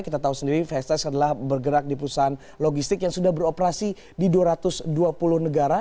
kita tahu sendiri fest test adalah bergerak di perusahaan logistik yang sudah beroperasi di dua ratus dua puluh negara